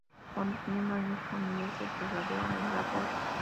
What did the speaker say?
Cuando tenía un año su familia se trasladó a Inglaterra.